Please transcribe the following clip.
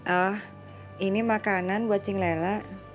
ah ini makanan buat cing lela